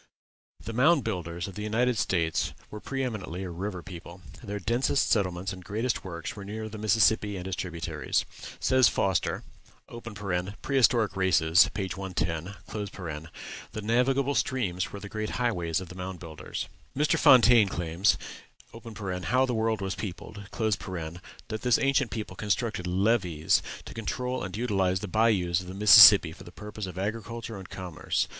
The Mound Builders of the United States were pre eminently a river people. Their densest settlements and greatest works were near the Mississippi and its tributaries. Says Foster ("Prehistoric Races," p. 110), "The navigable streams were the great highways of the Mound Builders." Mr. Fontaine claims ("How the World was Peopled") that this ancient people constructed "levees" to control and utilize the bayous of the Mississippi for the purpose of agriculture and commerce.